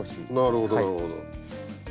なるほどなるほど。